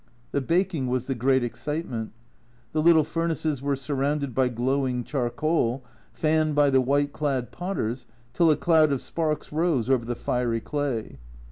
The baking was the great excitement. The little furnaces were surrounded by glowing charcoal, fanned by the white clad potters till a cloud of sparks rose over the fiery clay.